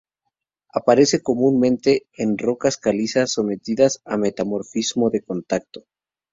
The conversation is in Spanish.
Aparece comúnmente en rocas calizas sometidas a metamorfismo de contacto.